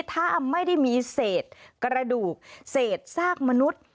ถ้าไม่ได้มีเศษกระดูกเศษซากมนุษย์